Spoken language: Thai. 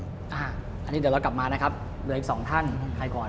อันนี้เดี๋ยวเรากลับมานะครับเหลืออีกสองท่านไปก่อน